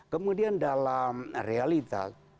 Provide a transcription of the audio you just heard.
kemudian dalam realitas